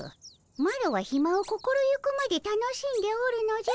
マロはひまを心ゆくまで楽しんでおるのじゃ。